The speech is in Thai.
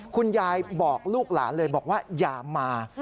คุณยายบอกลูกหลานเลยบอกว่าอย่ามา